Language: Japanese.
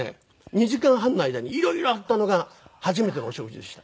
２時間半の間に色々あったのが初めてのお食事でした。